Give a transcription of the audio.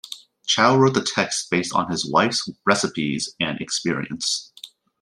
Chao wrote the text based on his wife's recipes and experience.